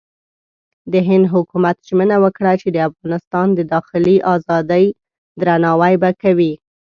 د هند حکومت ژمنه وکړه چې د افغانستان د داخلي ازادۍ درناوی به کوي.